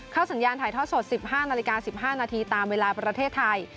สัญญาณถ่ายทอดสด๑๕นาฬิกา๑๕นาทีตามเวลาประเทศไทย